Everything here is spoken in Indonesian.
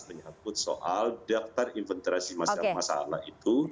menyangkut soal daftar inventarasi masalah itu